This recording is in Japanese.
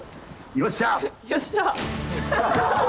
よっしゃ！